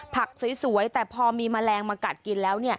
สวยแต่พอมีแมลงมากัดกินแล้ว